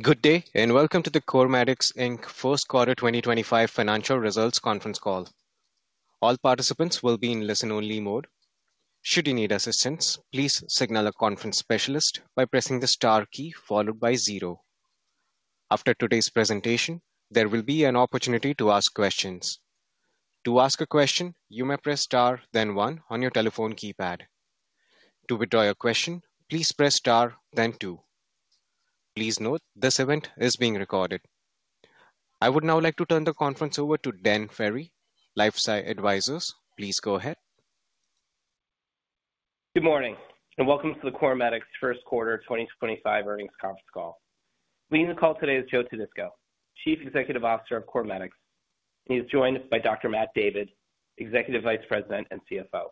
Good day, and welcome to the CorMedix 4th Quarter 2025 Financial Results Conference Call. All participants will be in listen-only mode. Should you need assistance, please signal a conference specialist by pressing the star key followed by zero. After today's presentation, there will be an opportunity to ask questions. To ask a question, you may press star, then one, on your telephone keypad. To withdraw your question, please press star, then two. Please note this event is being recorded. I would now like to turn the conference over to Dan Ferry, LifeSci Advisors. Please go ahead. Good morning, and welcome to the CorMedix first quarter 2025 earnings conference call. Leading the call today is Joe Todisco, Chief Executive Officer of CorMedix. He's joined by Dr. Matt David, Executive Vice President and CFO.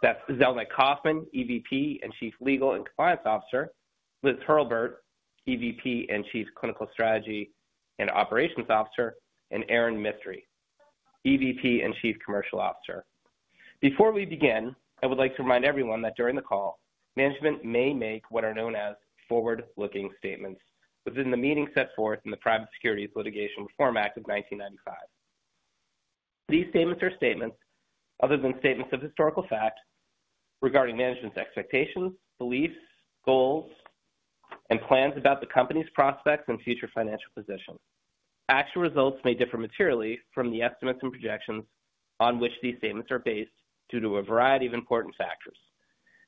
That's Zelnick Kaufman, EVP and Chief Legal and Compliance Officer; Liz Hurlburt, EVP and Chief Clinical Strategy and Operations Officer; and Erin Mistry, EVP and Chief Commercial Officer. Before we begin, I would like to remind everyone that during the call, management may make what are known as forward-looking statements within the meaning set forth in the Private Securities Litigation Reform Act of 1995. These statements are statements other than statements of historical fact regarding management's expectations, beliefs, goals, and plans about the company's prospects and future financial position. Actual results may differ materially from the estimates and projections on which these statements are based due to a variety of important factors,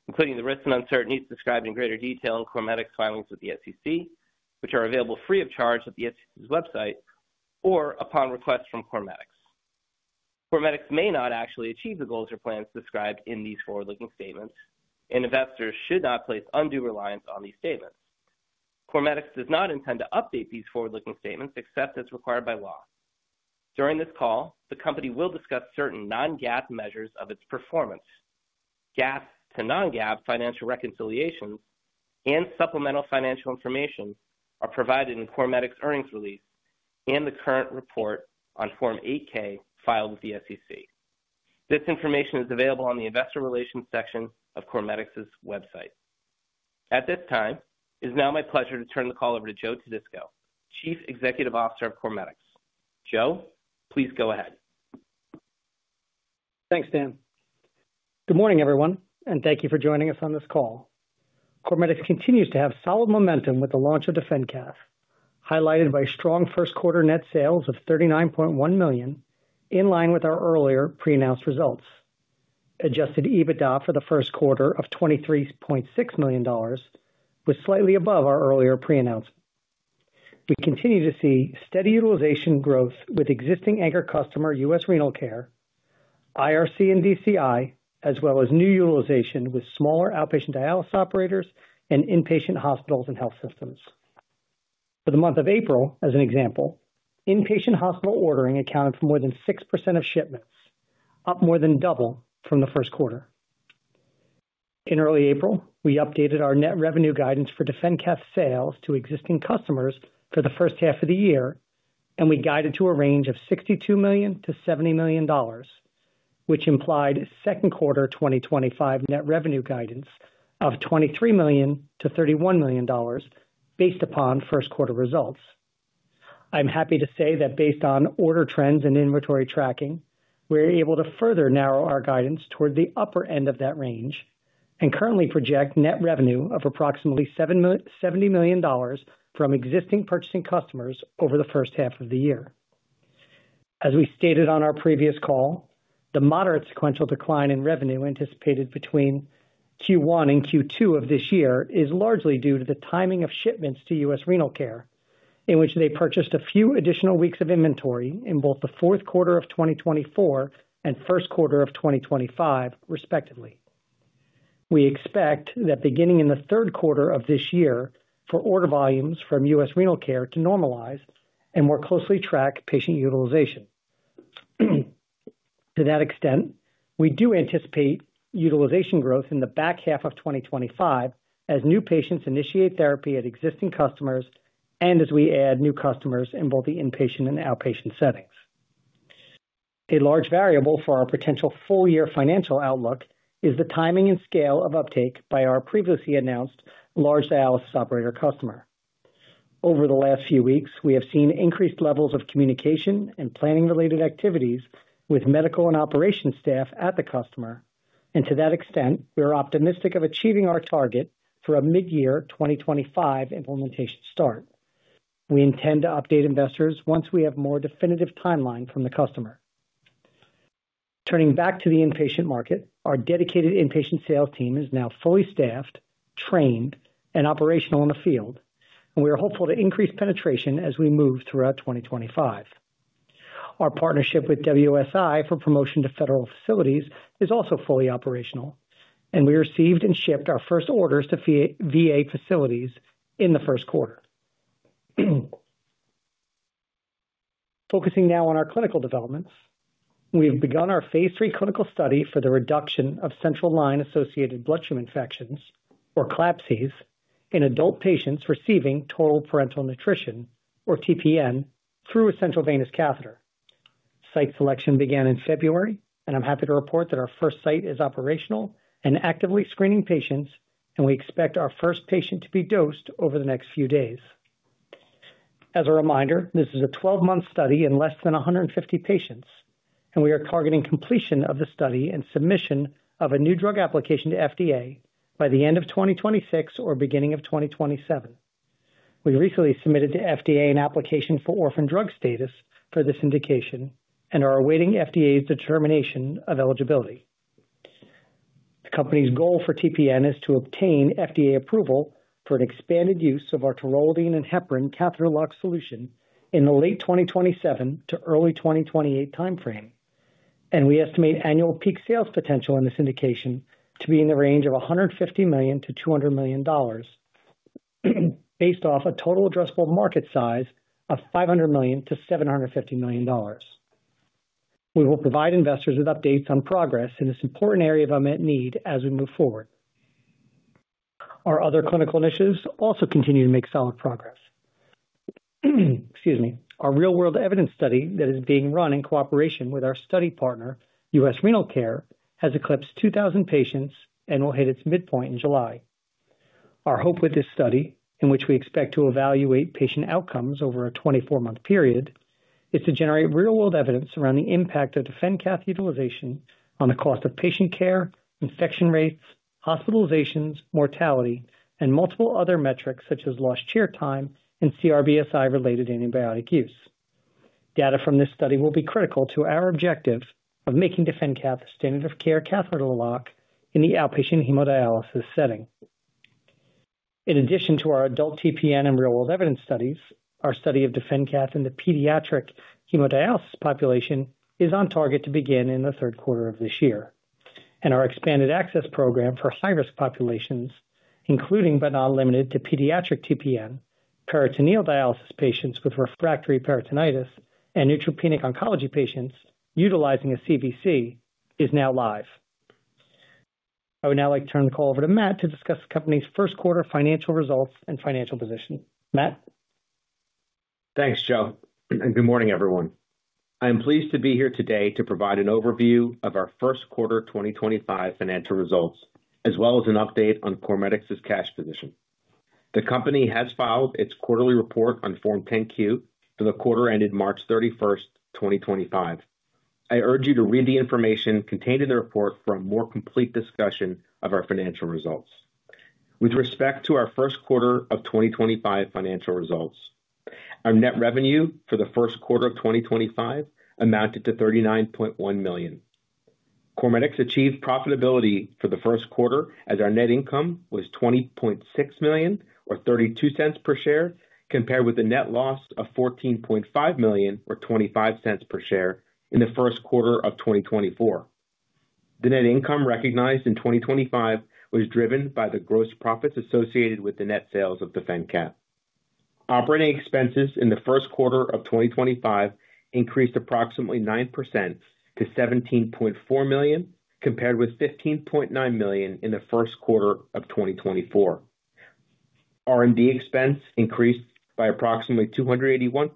including the risks and uncertainties described in greater detail in CorMedix filings with the SEC, which are available free of charge at the SEC's website or upon request from CorMedix. CorMedix may not actually achieve the goals or plans described in these forward-looking statements, and investors should not place undue reliance on these statements. CorMedix does not intend to update these forward-looking statements except as required by law. During this call, the company will discuss certain non-GAAP measures of its performance. GAAP to non-GAAP financial reconciliations and supplemental financial information are provided in CorMedix's earnings release and the current report on Form 8K filed with the SEC. This information is available on the Investor Relations section of CorMedix's website. At this time, it is now my pleasure to turn the call over to Joe Todisco, Chief Executive Officer of CorMedix. Joe, please go ahead. Thanks, Dan. Good morning, everyone, and thank you for joining us on this call. CorMedix continues to have solid momentum with the launch of DefenCath, highlighted by strong first-quarter net sales of $39.1 million, in line with our earlier pre-announced results. Adjusted EBITDA for the first quarter of $23.6 million was slightly above our earlier pre-announcement. We continue to see steady utilization growth with existing anchor customer U.S. Renal Care, IRC, and DCI, as well as new utilization with smaller outpatient dialysis operators and inpatient hospitals and health systems. For the month of April, as an example, inpatient hospital ordering accounted for more than 6% of shipments, up more than double from the first quarter. In early April, we updated our net revenue guidance for DefenCath sales to existing customers for the first half of the year, and we guided to a range of $62 million-$70 million, which implied second quarter 2025 net revenue guidance of $23 million-$31 million based upon first-quarter results. I'm happy to say that based on order trends and inventory tracking, we're able to further narrow our guidance toward the upper end of that range and currently project net revenue of approximately $70 million from existing purchasing customers over the first half of the year. As we stated on our previous call, the moderate sequential decline in revenue anticipated between Q1 and Q2 of this year is largely due to the timing of shipments to U.S. Renal Care, in which they purchased a few additional weeks of inventory in both the fourth quarter of 2024 and first quarter of 2025, respectively. We expect that beginning in the third quarter of this year for order volumes from U.S. Renal Care to normalize and more closely track patient utilization. To that extent, we do anticipate utilization growth in the back half of 2025 as new patients initiate therapy at existing customers and as we add new customers in both the inpatient and outpatient settings. A large variable for our potential full-year financial outlook is the timing and scale of uptake by our previously announced large dialysis operator customer. Over the last few weeks, we have seen increased levels of communication and planning-related activities with medical and operations staff at the customer, and to that extent, we are optimistic of achieving our target for a mid-year 2025 implementation start. We intend to update investors once we have a more definitive timeline from the customer. Turning back to the inpatient market, our dedicated inpatient sales team is now fully staffed, trained, and operational in the field, and we are hopeful to increase penetration as we move throughout 2025. Our partnership with WSI for promotion to federal facilities is also fully operational, and we received and shipped our first orders to VA facilities in the first quarter. Focusing now on our clinical developments, we have begun our phase three clinical study for the reduction of central line-associated bloodstream infections, or CLABSIs, in adult patients receiving total parenteral nutrition, or TPN, through a central venous catheter. Site selection began in February, and I'm happy to report that our first site is operational and actively screening patients, and we expect our first patient to be dosed over the next few days. As a reminder, this is a 12-month study in fewer than 150 patients, and we are targeting completion of the study and submission of a new drug application to FDA by the end of 2026 or beginning of 2027. We recently submitted to FDA an application for orphan drug status for this indication and are awaiting FDA's determination of eligibility. The company's goal for TPN is to obtain FDA approval for an expanded use of our taurolidine and heparin catheter lock solution in the late 2027 to early 2028 timeframe, and we estimate annual peak sales potential in this indication to be in the range of $150 million-$200 million, based off a total addressable market size of $500 million-$750 million. We will provide investors with updates on progress in this important area of unmet need as we move forward. Our other clinical initiatives also continue to make solid progress. Excuse me. Our real-world evidence study that is being run in cooperation with our study partner, U.S. Renal Care, has eclipsed 2,000 patients and will hit its midpoint in July. Our hope with this study, in which we expect to evaluate patient outcomes over a 24-month period, is to generate real-world evidence around the impact of DefenCath utilization on the cost of patient care, infection rates, hospitalizations, mortality, and multiple other metrics such as lost chair time and CRBSI-related antibiotic use. Data from this study will be critical to our objective of making DefenCath a standard of care catheter lock in the outpatient hemodialysis setting. In addition to our adult TPN and real-world evidence studies, our study of DefenCath in the pediatric hemodialysis population is on target to begin in the third quarter of this year, and our expanded access program for high-risk populations, including but not limited to pediatric TPN, peritoneal dialysis patients with refractory peritonitis, and neutropenic oncology patients utilizing a CVC, is now live. I would now like to turn the call over to Matt to discuss the company's first-quarter financial results and financial position. Matt. Thanks, Joe, and good morning, everyone. I am pleased to be here today to provide an overview of our first quarter 2025 financial results, as well as an update on CorMedix's cash position. The company has filed its quarterly report on Form 10-Q for the quarter ended March 31, 2025. I urge you to read the information contained in the report for a more complete discussion of our financial results. With respect to our first quarter of 2025 financial results, our net revenue for the first quarter of 2025 amounted to $39.1 million. CorMedix achieved profitability for the first quarter as our net income was $20.6 million, or $0.32 per share, compared with a net loss of $14.5 million, or $0.25 per share, in the first quarter of 2024. The net income recognized in 2025 was driven by the gross profits associated with the net sales of DefenCath. Operating expenses in the first quarter of 2025 increased approximately 9% to $17.4 million, compared with $15.9 million in the first quarter of 2024. R&D expense increased by approximately 281%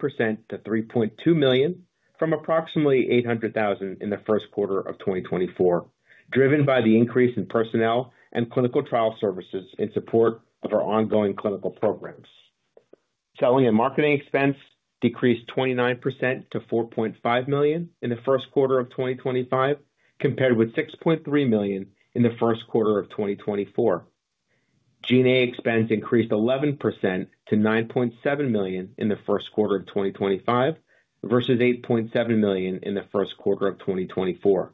to $3.2 million, from approximately $800,000 in the first quarter of 2024, driven by the increase in personnel and clinical trial services in support of our ongoing clinical programs. Selling and marketing expense decreased 29% to $4.5 million in the first quarter of 2025, compared with $6.3 million in the first quarter of 2024. G&A expense increased 11% to $9.7 million in the first quarter of 2025 versus $8.7 million in the first quarter of 2024.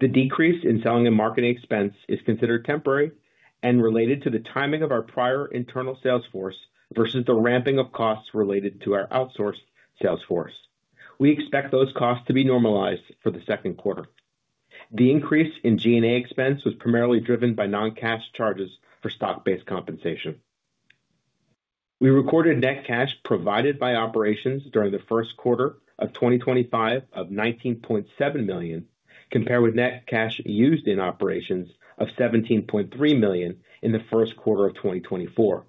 The decrease in selling and marketing expense is considered temporary and related to the timing of our prior internal sales force versus the ramping of costs related to our outsourced sales force. We expect those costs to be normalized for the second quarter. The increase in G&A expense was primarily driven by non-cash charges for stock-based compensation. We recorded net cash provided by operations during the first quarter of 2025 of $19.7 million, compared with net cash used in operations of $17.3 million in the first quarter of 2024.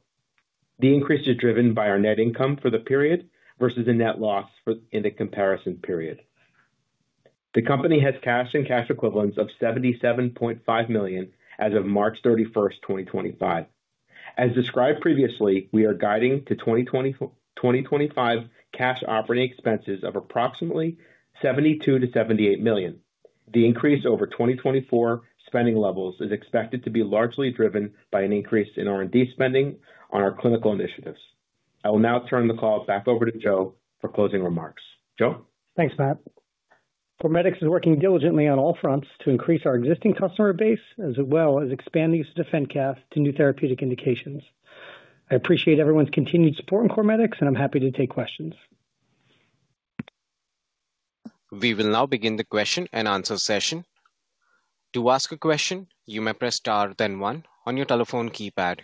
The increase is driven by our net income for the period versus the net loss in the comparison period. The company has cash and cash equivalents of $77.5 million as of March 31, 2025. As described previously, we are guiding to 2025 cash operating expenses of approximately $72 million-$78 million. The increase over 2024 spending levels is expected to be largely driven by an increase in R&D spending on our clinical initiatives. I will now turn the call back over to Joe for closing remarks. Joe. Thanks, Matt. CorMedix is working diligently on all fronts to increase our existing customer base as well as expand the use of DefenCath to new therapeutic indications. I appreciate everyone's continued support in CorMedix, and I'm happy to take questions. We will now begin the question and answer session. To ask a question, you may press star then one on your telephone keypad.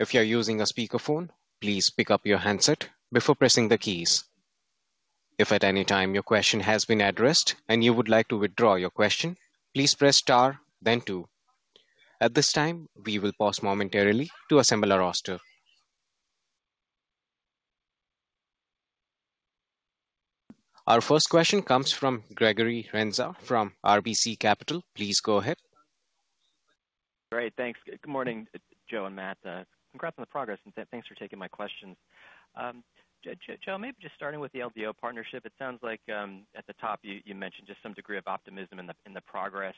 If you are using a speakerphone, please pick up your handset before pressing the keys. If at any time your question has been addressed and you would like to withdraw your question, please press star then two. At this time, we will pause momentarily to assemble our roster. Our first question comes from Gregory Renza from RBC Capital. Please go ahead. Great. Thanks. Good morning, Joe and Matt. Congrats on the progress, and thanks for taking my questions. Joe, maybe just starting with the LDO partnership, it sounds like at the top you mentioned just some degree of optimism in the progress.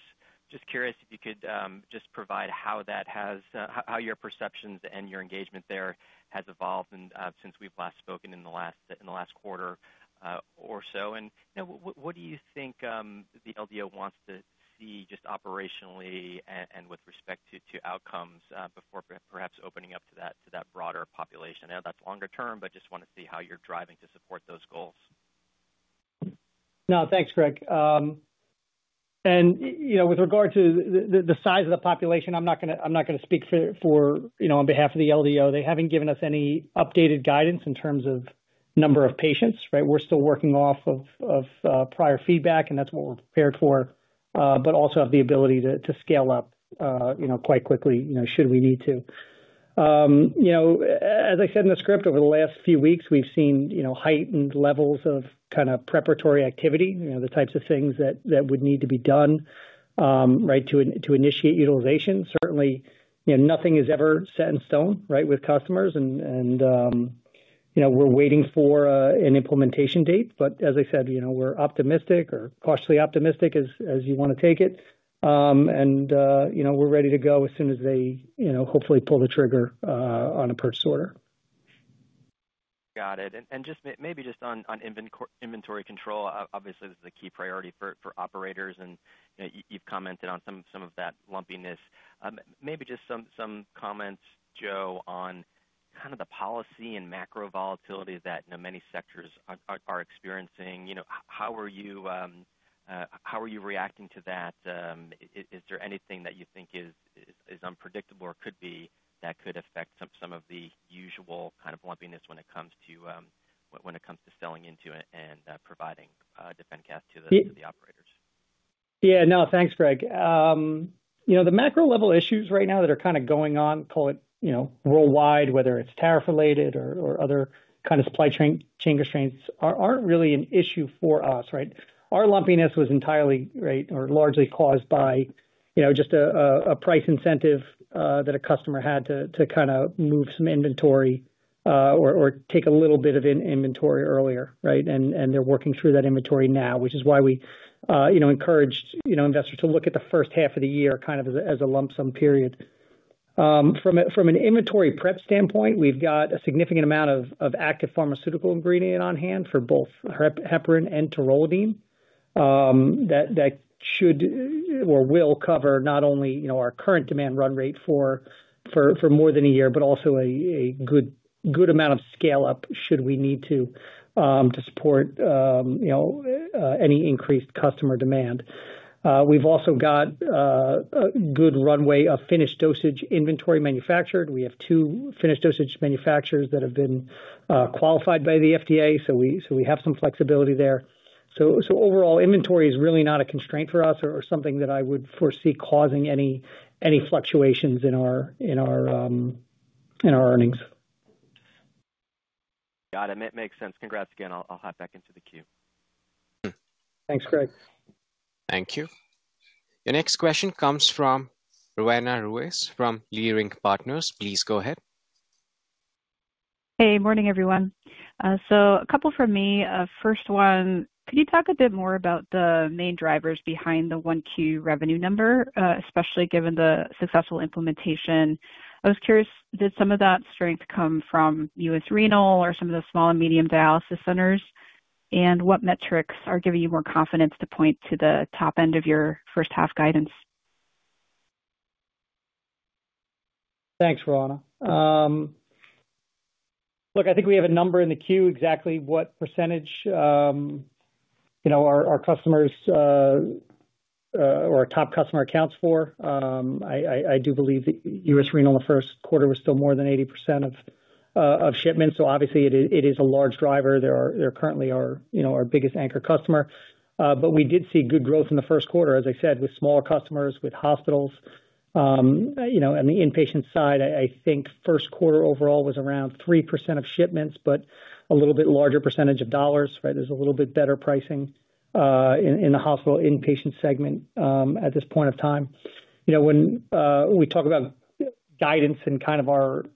Just curious if you could just provide how that has, how your perceptions and your engagement there has evolved since we've last spoken in the last quarter or so. What do you think the LDO wants to see just operationally and with respect to outcomes before perhaps opening up to that broader population? I know that's longer term, but just want to see how you're driving to support those goals. No, thanks, Greg. With regard to the size of the population, I'm not going to speak for on behalf of the LDO. They haven't given us any updated guidance in terms of number of patients. We're still working off of prior feedback, and that's what we're prepared for, but also have the ability to scale up quite quickly should we need to. As I said in the script, over the last few weeks, we've seen heightened levels of kind of preparatory activity, the types of things that would need to be done to initiate utilization. Certainly, nothing is ever set in stone with customers, and we're waiting for an implementation date. As I said, we're optimistic or cautiously optimistic as you want to take it, and we're ready to go as soon as they hopefully pull the trigger on a purchase order. Got it. Maybe just on inventory control, obviously, this is a key priority for operators, and you've commented on some of that lumpiness. Maybe just some comments, Joe, on kind of the policy and macro volatility that many sectors are experiencing. How are you reacting to that? Is there anything that you think is unpredictable or could be that could affect some of the usual kind of lumpiness when it comes to selling into and providing DefenCath to the operators? Yeah. No, thanks, Greg. The macro level issues right now that are kind of going on, call it worldwide, whether it's tariff-related or other kind of supply chain constraints, aren't really an issue for us. Our lumpiness was entirely or largely caused by just a price incentive that a customer had to kind of move some inventory or take a little bit of inventory earlier, and they're working through that inventory now, which is why we encouraged investors to look at the first half of the year kind of as a lump sum period. From an inventory prep standpoint, we've got a significant amount of active pharmaceutical ingredient on hand for both heparin and taurolidine that should or will cover not only our current demand run rate for more than a year, but also a good amount of scale-up should we need to support any increased customer demand. We've also got a good runway of finished dosage inventory manufactured. We have two finished dosage manufacturers that have been qualified by the FDA, so we have some flexibility there. Overall, inventory is really not a constraint for us or something that I would foresee causing any fluctuations in our earnings. Got it. It makes sense. Congrats again. I'll hop back into the queue. Thanks, Greg. Thank you. The next question comes from Rowena Ruiz from Leerink Partners. Please go ahead. Hey, morning, everyone. A couple from me. First one, could you talk a bit more about the main drivers behind the Q1 revenue number, especially given the successful implementation? I was curious, did some of that strength come from U.S. Renal or some of the small and medium dialysis centers? What metrics are giving you more confidence to point to the top end of your first-half guidance? Thanks, Rowena. Look, I think we have a number in the queue, exactly what percentage our customers or our top customer accounts for. I do believe that U.S. Renal in the first quarter was still more than 80% of shipments. It is a large driver. They're currently our biggest anchor customer. We did see good growth in the first quarter, as I said, with smaller customers, with hospitals. On the inpatient side, I think first quarter overall was around 3% of shipments, but a little bit larger percentage of dollars. There is a little bit better pricing in the hospital inpatient segment at this point of time. When we talk about guidance and kind of our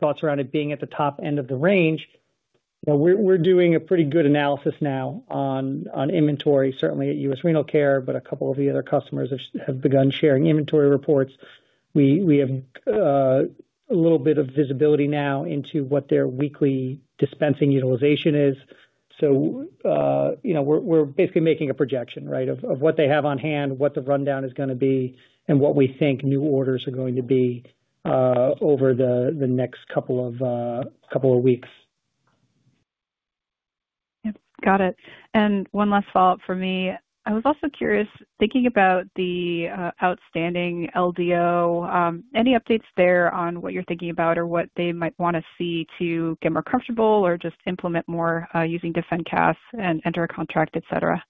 thoughts around it being at the top end of the range, we're doing a pretty good analysis now on inventory, certainly at U.S. Renal Care, but a couple of the other customers have begun sharing inventory reports. We have a little bit of visibility now into what their weekly dispensing utilization is. We are basically making a projection of what they have on hand, what the rundown is going to be, and what we think new orders are going to be over the next couple of weeks. Yep. Got it. One last follow-up for me. I was also curious, thinking about the outstanding LDO, any updates there on what you're thinking about or what they might want to see to get more comfortable or just implement more using DefenCath and enter a contract, etc.?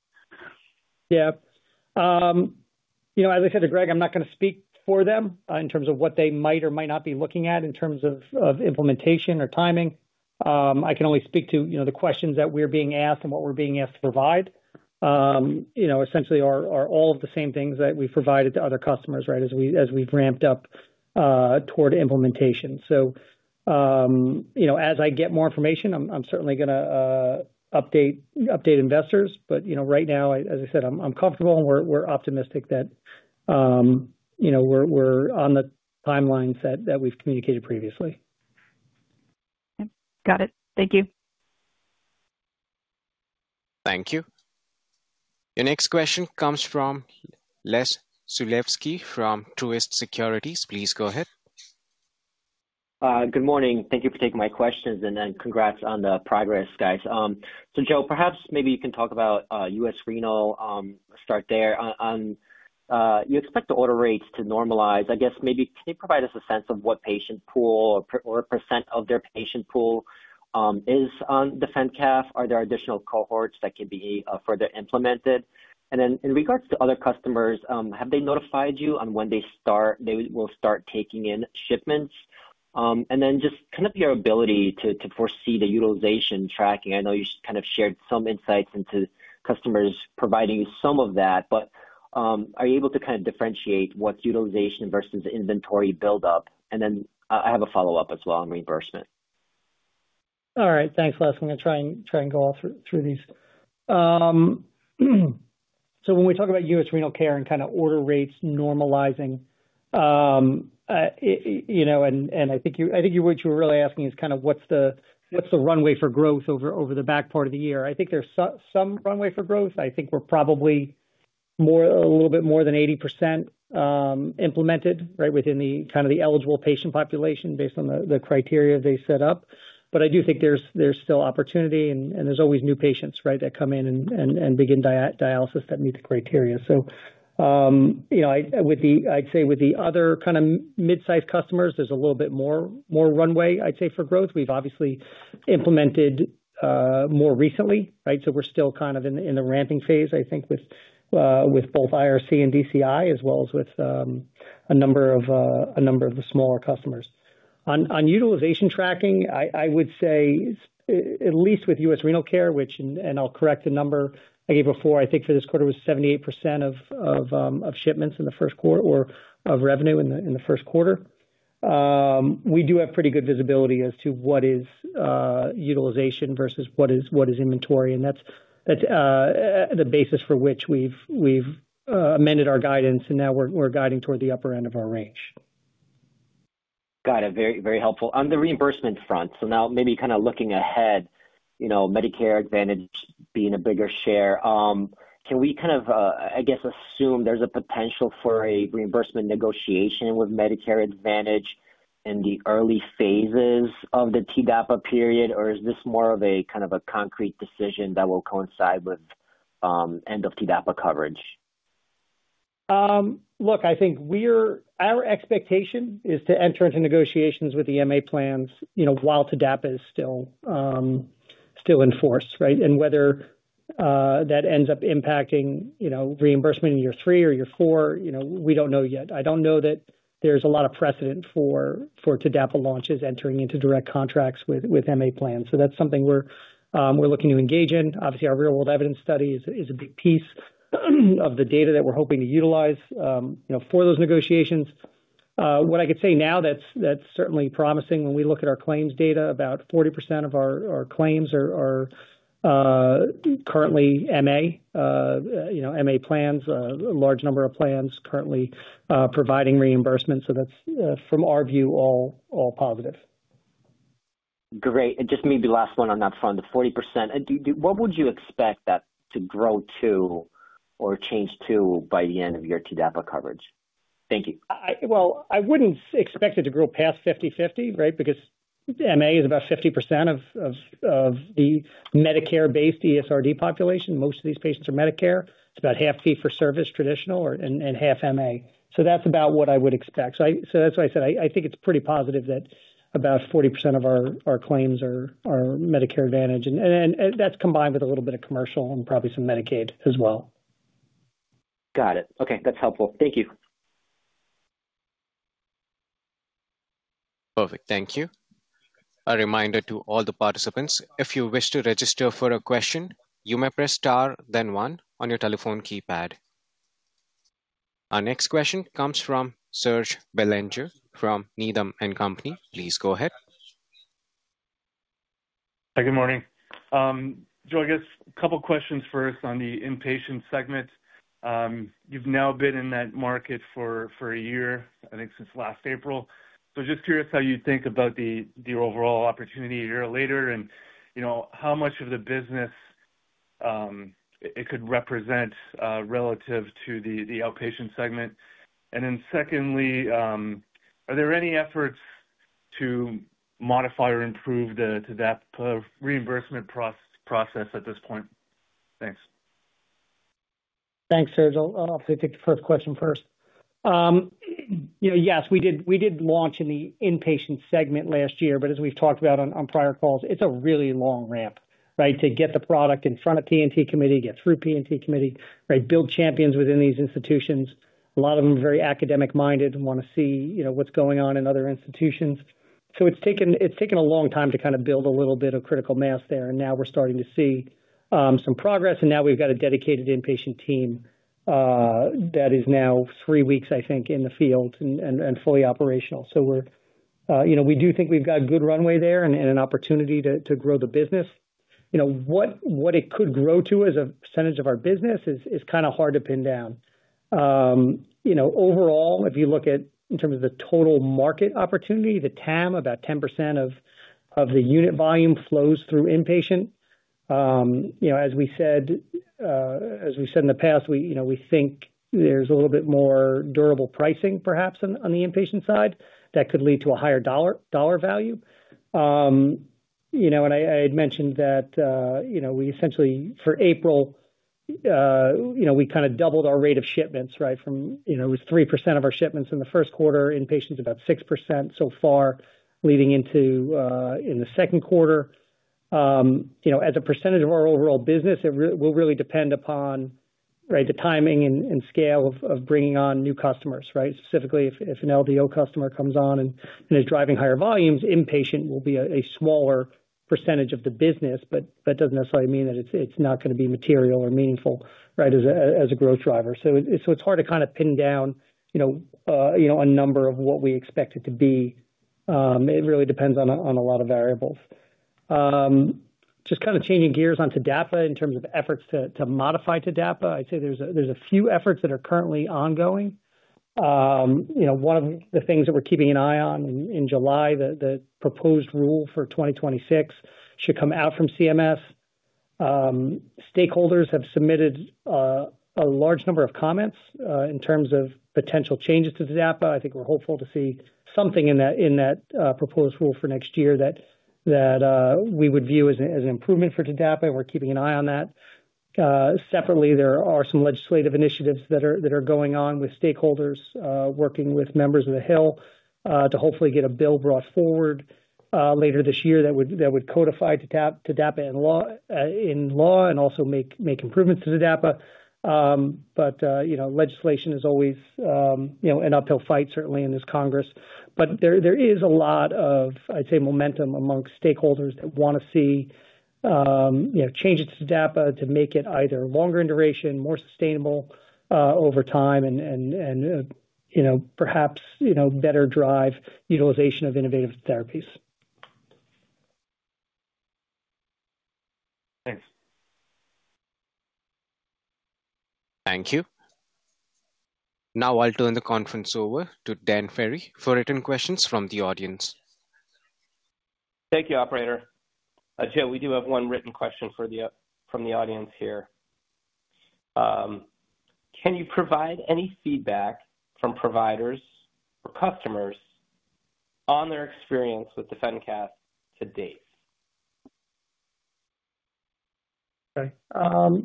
Yeah. As I said to Greg, I'm not going to speak for them in terms of what they might or might not be looking at in terms of implementation or timing. I can only speak to the questions that we're being asked and what we're being asked to provide. Essentially, are all of the same things that we've provided to other customers as we've ramped up toward implementation. As I get more information, I'm certainly going to update investors. Right now, as I said, I'm comfortable and we're optimistic that we're on the timelines that we've communicated previously. Got it. Thank you. Thank you. The next question comes from Les Sulewski from Truist Securities. Please go ahead. Good morning. Thank you for taking my questions, and then congrats on the progress, guys. Joe, perhaps maybe you can talk about U.S. Renal, start there. You expect the order rates to normalize. I guess maybe can you provide us a sense of what patient pool or what percent of their patient pool is on DefenCath? Are there additional cohorts that can be further implemented? In regards to other customers, have they notified you on when they will start taking in shipments? Just kind of your ability to foresee the utilization tracking. I know you kind of shared some insights into customers providing you some of that, but are you able to kind of differentiate what's utilization versus inventory buildup? I have a follow-up as well on reimbursement. All right. Thanks, Les. I'm going to try and go all through these. When we talk about U.S. Renal Care and kind of order rates normalizing, I think what you were really asking is kind of what's the runway for growth over the back part of the year. I think there's some runway for growth. I think we're probably a little bit more than 80% implemented within kind of the eligible patient population based on the criteria they set up. I do think there's still opportunity, and there's always new patients that come in and begin dialysis that meet the criteria. I'd say with the other kind of mid-sized customers, there's a little bit more runway, I'd say, for growth. We've obviously implemented more recently. We're still kind of in the ramping phase, I think, with both IRC and DCI, as well as with a number of the smaller customers. On utilization tracking, I would say, at least with U.S. Renal Care, which, and I'll correct the number I gave before, I think for this quarter was 78% of shipments in the first quarter or of revenue in the first quarter. We do have pretty good visibility as to what is utilization versus what is inventory. That's the basis for which we've amended our guidance, and now we're guiding toward the upper end of our range. Got it. Very helpful. On the reimbursement front, so now maybe kind of looking ahead, Medicare Advantage being a bigger share, can we kind of, I guess, assume there's a potential for a reimbursement negotiation with Medicare Advantage in the early phases of the TDAPA period, or is this more of a kind of a concrete decision that will coincide with end-of-TDAPA coverage? Look, I think our expectation is to enter into negotiations with MA plans while TDAPA is still in force. Whether that ends up impacting reimbursement in year three or year four, we do not know yet. I do not know that there is a lot of precedent for TDAPA launches entering into direct contracts with MA plans. That is something we are looking to engage in. Obviously, our real-world evidence study is a big piece of the data that we are hoping to utilize for those negotiations. What I could say now that is certainly promising when we look at our claims data, about 40% of our claims are currently MA plans, a large number of plans currently providing reimbursement. That is, from our view, all positive. Great. Just maybe last one on that front, the 40%, what would you expect that to grow to or change to by the end of year TDAPA coverage? Thank you. I wouldn't expect it to grow past 50/50 because MA is about 50% of the Medicare-based ESRD population. Most of these patients are Medicare. It's about half fee-for-service traditional and half MA. That's about what I would expect. That's why I said I think it's pretty positive that about 40% of our claims are Medicare Advantage. That's combined with a little bit of commercial and probably some Medicaid as well. Got it. Okay. That's helpful. Thank you. Perfect. Thank you. A reminder to all the participants, if you wish to register for a question, you may press star, then one on your telephone keypad. Our next question comes from Serge Bellenger from Needham & Company. Please go ahead. Hi, good morning. Joe, I guess a couple of questions first on the inpatient segment. You've now been in that market for a year, I think since last April. Just curious how you think about the overall opportunity a year later and how much of the business it could represent relative to the outpatient segment. Secondly, are there any efforts to modify or improve the TDAPA reimbursement process at this point? Thanks. Thanks, Serge. I'll take the first question first. Yes, we did launch in the inpatient segment last year, but as we've talked about on prior calls, it's a really long ramp to get the product in front of the P&T Committee, get through the P&T Committee, build champions within these institutions. A lot of them are very academic-minded and want to see what's going on in other institutions. It has taken a long time to kind of build a little bit of critical mass there. Now we're starting to see some progress. Now we've got a dedicated inpatient team that is now three weeks, I think, in the field and fully operational. We do think we've got a good runway there and an opportunity to grow the business. What it could grow to as a percentage of our business is kind of hard to pin down. Overall, if you look at in terms of the total market opportunity, the TAM, about 10% of the unit volume flows through inpatient. As we said in the past, we think there is a little bit more durable pricing, perhaps, on the inpatient side that could lead to a higher dollar value. I had mentioned that we essentially for April, we kind of doubled our rate of shipments. It was 3% of our shipments in the first quarter, inpatient about 6% so far leading into in the second quarter. As a percentage of our overall business, it will really depend upon the timing and scale of bringing on new customers. Specifically, if an LDO customer comes on and is driving higher volumes, inpatient will be a smaller percentage of the business, but that does not necessarily mean that it is not going to be material or meaningful as a growth driver. It's hard to kind of pin down a number of what we expect it to be. It really depends on a lot of variables. Just kind of changing gears on TDAPA in terms of efforts to modify TDAPA, I'd say there's a few efforts that are currently ongoing. One of the things that we're keeping an eye on in July, the proposed rule for 2026 should come out from CMS. Stakeholders have submitted a large number of comments in terms of potential changes to TDAPA. I think we're hopeful to see something in that proposed rule for next year that we would view as an improvement for TDAPA, and we're keeping an eye on that. Separately, there are some legislative initiatives that are going on with stakeholders working with members of the Hill to hopefully get a bill brought forward later this year that would codify TDAPA in law and also make improvements to TDAPA. Legislation is always an uphill fight, certainly in this Congress. There is a lot of, I'd say, momentum amongst stakeholders that want to see changes to TDAPA to make it either longer in duration, more sustainable over time, and perhaps better drive utilization of innovative therapies. Thanks. Thank you. Now I'll turn the conference over to Dan Ferry for written questions from the audience. Thank you, Operator. Joe, we do have one written question from the audience here. Can you provide any feedback from providers or customers on their experience with DefenCath to date? Okay.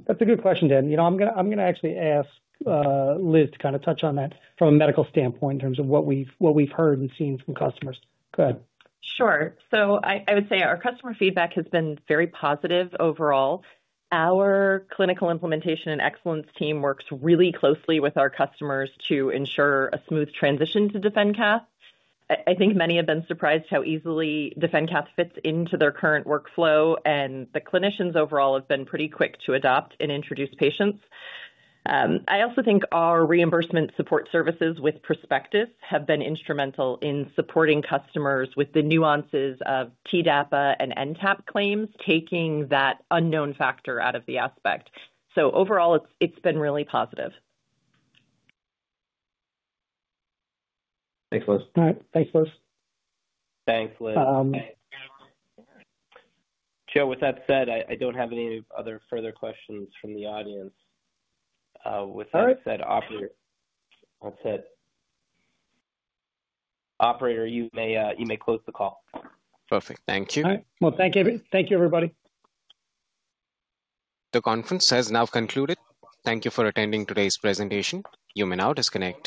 That's a good question, Dan. I'm going to actually ask Liz to kind of touch on that from a medical standpoint in terms of what we've heard and seen from customers. Go ahead. Sure. I would say our customer feedback has been very positive overall. Our clinical implementation and excellence team works really closely with our customers to ensure a smooth transition to DefenCath. I think many have been surprised how easily DefenCath fits into their current workflow, and the clinicians overall have been pretty quick to adopt and introduce patients. I also think our reimbursement support services with Prospectus have been instrumental in supporting customers with the nuances of TDAPA and NTAP claims, taking that unknown factor out of the aspect. Overall, it's been really positive. Thanks, Les. All right. Thanks, Les. Thanks, Les. Joe, with that said, I don't have any other further questions from the audience. With that said, Operator, you may close the call. Perfect. Thank you. All right. Thank you, everybody. The conference has now concluded. Thank you for attending today's presentation. You may now disconnect.